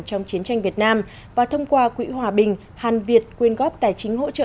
trong chiến tranh việt nam và thông qua quỹ hòa bình hàn việt quyên góp tài chính hỗ trợ